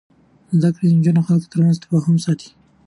زده کړې نجونې د خلکو ترمنځ تفاهم ساتي.